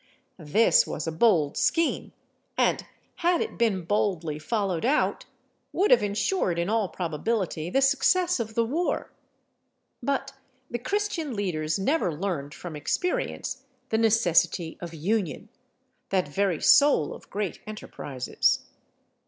This was a bold scheme, and, had it been boldly followed out, would have insured, in all probability, the success of the war. But the Christian leaders never learned from experience the necessity of union, that very soul of great enterprises.